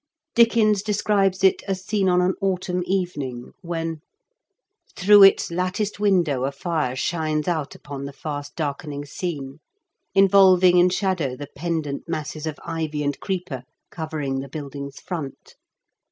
Dickens describes it as seen on an autumn evening, when :" Through its latticed window, a fire shines out upon the fast darkening scene, involving in shadow the pendent masses of ivy and creeper covering the building's front.